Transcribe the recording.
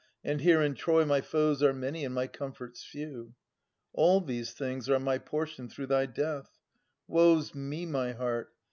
And here in Troy My foes are many and my comforts few. All these things are my portion through thy death. Woe 's me, my heart